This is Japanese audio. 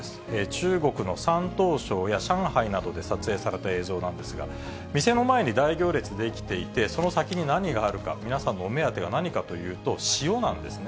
中国の山東省や上海などで撮影された映像なんですが、店の前に大行列出来ていて、その先に何があるか、皆さんのお目当てが何かと塩？